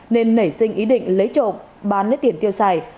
nên nảy sinh ý định lấy trộm bán lấy tiền tiêu xài